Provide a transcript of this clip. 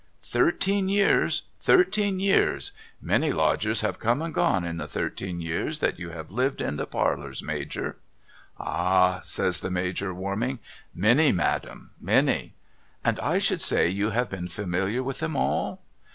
' Thirteen years ! Thir teen years ! Many Lodgers have come and gone, in the thirteen years that you have lived in the parlours Major.' ' Hah !' says the Major warming. ' Many Madam, many.' ' And I should say you have been familiar with them all